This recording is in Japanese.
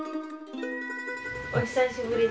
お久しぶり。